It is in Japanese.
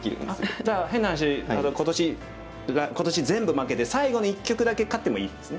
じゃあ変な話今年全部負けて最後の一局だけ勝ってもいいんですね。